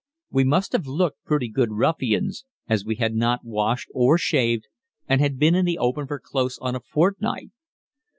We must have looked pretty good ruffians, as we had not washed or shaved, and had been in the open for close on a fortnight.